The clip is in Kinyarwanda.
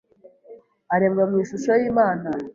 aremwa mu ishusho y’Imana,